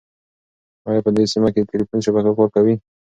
ایا په دې سیمه کې د تېلیفون شبکه کار کوي؟